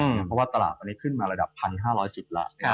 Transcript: เพราะว่าตลาดตอนนี้ขึ้นมาระดับ๑๕๐๐จุดแล้ว